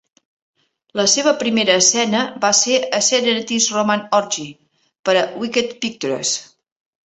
La seva primera escena va ser a "Serenity's Roman Orgy" per a Wicked Pictures.